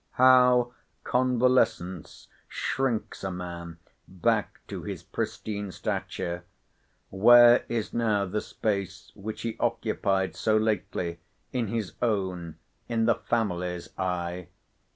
How convalescence shrinks a man back to his pristine stature! where is now the space, which he occupied so lately, in his own, in the family's eye?